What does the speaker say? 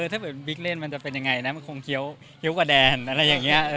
ถ้าเกิดบิ๊กเล่นมันจะเป็นยังไงนะมันคงเคี้ยวกว่าแดนอะไรอย่างนี้